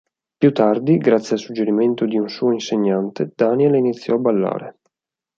Più tardi, grazie al suggerimento di un suo insegnante, Daniel iniziò a ballare.